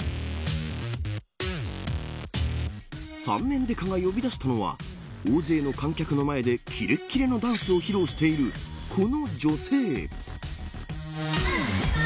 三面刑事が呼び出したのは大勢の観客の前でキレキレのダンスを披露しているこの女性。